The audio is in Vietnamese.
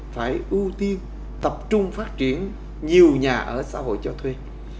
phải ưu tiên tập trung phát triển nhiều nhà ở xã hội cho thuê